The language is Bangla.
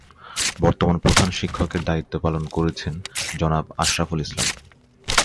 বর্তমান প্রধান শিক্ষকের দায়িত্ব পালন করেছেন জনাব আশরাফুল ইসলাম।